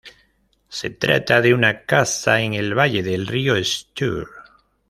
Se trata de una casa en el valle del río Stour.